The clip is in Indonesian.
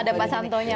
ada pak santonya